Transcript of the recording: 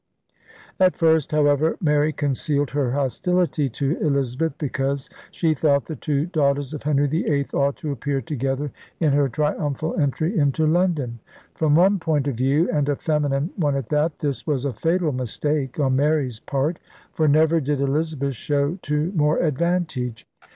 At first, however, Mary concealed her hostility to Elizabeth because she thought the two daughters of Henry VIII ought to appear together in her ELIZABETHAN ENGLAND 51 triumphal entry into London. From one point of view — and a feminine one at that — this was a fatal mistake on Mary's part: for never did Elizabeth show to more advantage.